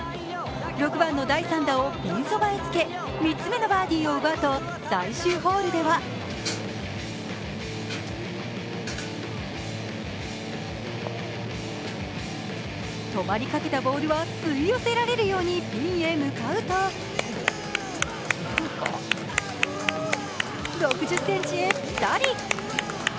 ６番の第３打をピンそばつけ、３つ目のバーディーを奪うと最終ホールでは、止まりかけたボールは吸い寄せられるようにピンへ向かうと６０ｃｍへピタリ。